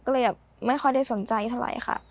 ก็เลยแบบไม่ค่อยได้สนใจเท่าไหร่ค่ะ